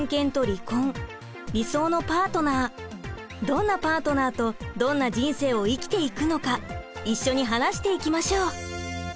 どんなパートナーとどんな人生を生きていくのか一緒に話していきましょう。